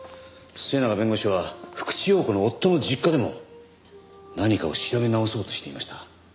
末永弁護士は福地陽子の夫の実家でも何かを調べ直そうとしていました。